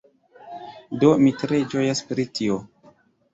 Do, mi tre ĝojas pri tio